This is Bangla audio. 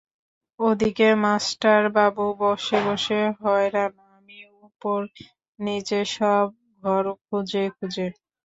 ওদিকে মাস্টারবাবু বসে বসে হয়রান, আমি ওপর নিচে সব ঘর খুঁজে খুঁজে।